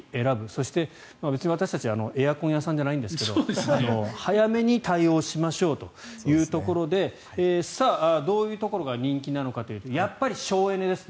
そして、私たちエアコン屋さんじゃないんですけど早めに対応しましょうというところでさあ、どういうところが人気なのかというとやっぱり省エネです。